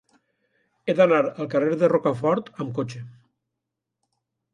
He d'anar al carrer de Rocafort amb cotxe.